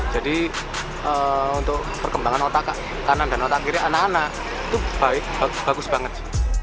untuk perkembangan otak kanan dan otak kiri anak anak itu baik bagus banget